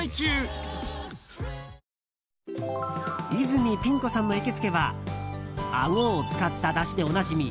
泉ピン子さんの行きつけはアゴを使っただしでおなじみ